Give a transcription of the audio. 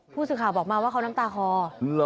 ผู้สื่อข่าวบอกมาว่าเขาน้ำตาคอ